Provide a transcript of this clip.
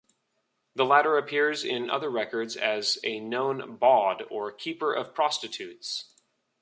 The latter appears in other records as a known "bawd", or keeper of prostitutes.